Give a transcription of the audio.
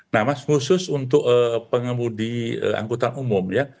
nah mas khusus untuk pengemudi angkutan umum ya